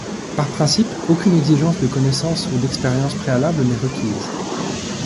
Par principe, aucune exigence de connaissances ou d'expérience préalables n'est requise.